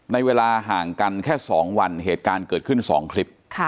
ในเวลาห่างกันแค่๒วันเหตุการณ์เกิดขึ้น๒คลิป